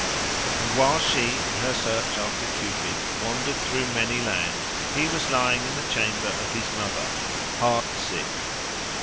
And while she, in her search after Cupid, wandered through many lands, he was lying in the chamber of his mother, heart sick.